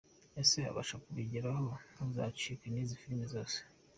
Ese abasha kubigeraho? Ntuzacikwe n’izi film zose.